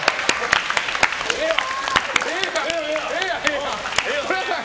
ええやん！